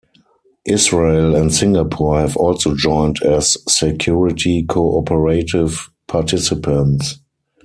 Israel and Singapore have also joined as Security Cooperative Participants.